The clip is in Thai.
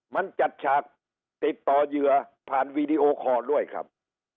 มันจัดฉากติดต่อเหยื่อผ่านวีดีโอคอร์ด้วยครับ